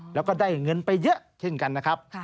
แล้วก็ได้เงินไปเยอะเช่นกันนะครับ